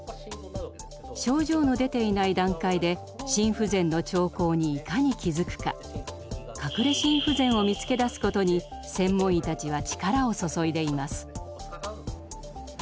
症状の出ていない段階で心不全の兆候にいかに気づくか「隠れ心不全」を見つけ出すことに専門医たちは力を注いでいます。